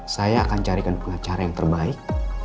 saya akan carikan pengacara yang terbaik